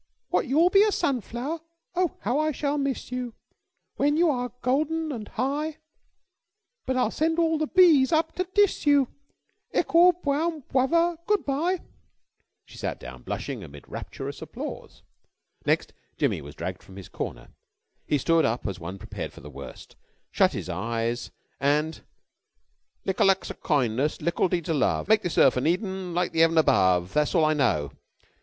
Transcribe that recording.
What, you'll be a sunflower? Oh, how I shall miss you When you are golden and high! But I'll send all the bees up to tiss you. Lickle bwown bwother, good bye!" She sat down blushing, amid rapturous applause. Next Jimmy was dragged from his corner. He stood up as one prepared for the worst, shut his eyes, and "Licklaxokindness lickledeedsolove make thisearfanedenliketheeav'nabovethasalliknow."